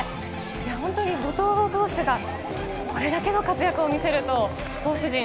本当に後藤投手がこれだけの活躍を見せると投手陣